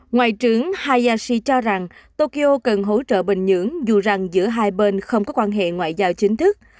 ngoại trưởng hayashi cho rằng tokyo cần hỗ trợ bình nhưỡng dù rằng giữa hai bên không có quan hệ ngoại giao chính thức